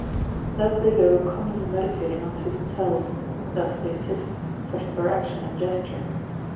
Thus they go commonly meditating unto themselves, thus they sit, such is their action and gesture.